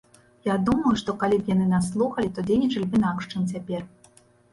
Я думаю, што калі б яны нас слухалі, то дзейнічалі б інакш, чым цяпер!